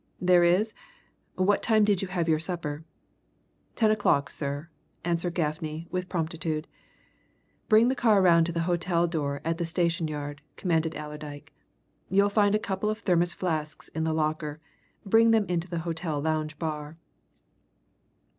"There is? What time did you have your supper?" "Ten o'clock, sir," answered Gaffney, with promptitude. "Bring the car round to the hotel door in the station yard," commanded Allerdyke. "You'll find a couple of Thermos flasks in the locker bring them into the hotel lounge bar."